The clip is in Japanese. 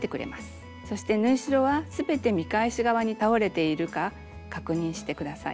そして縫い代は全て見返し側に倒れているか確認して下さい。